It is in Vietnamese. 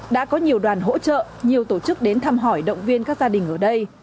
đã có nhiều đoàn hỗ trợ nhiều tổ chức đến thăm hỏi động viên các gia đình ở đây